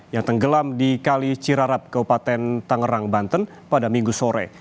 yang tenggelam di kali cirarap kabupaten tangerang banten pada minggu sore